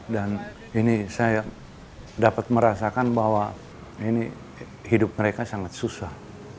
dan ini saya dapat merasakan bahwa ini hidup mereka sangat susah